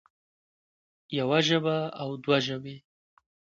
يوه ژبه او دوه ژبې